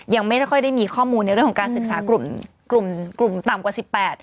ยังไม่ได้ค่อยได้มีข้อมูลในเรื่องของการศึกษากลุ่มกลุ่มต่ำกว่าสิบแปด